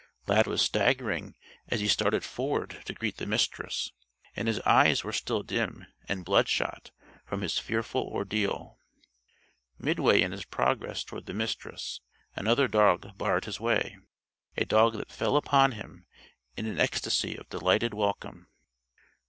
Lad was staggering as he started forward to greet the Mistress, and his eyes were still dim and bloodshot from his fearful ordeal. Midway in his progress toward the Mistress another dog barred his path a dog that fell upon him in an ecstasy of delighted welcome.